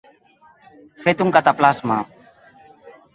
Fet un cataplasma.